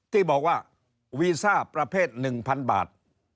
ที่บอกว่าวีซ่าประเภท๑๐๐๐บาท